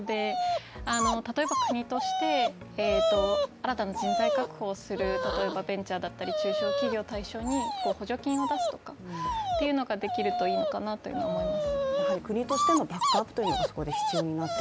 国として、新たな人材確保をする例えばベンチャー企業だったり中小企業に補助金を出すとかっていうのができるといいのかなと思います。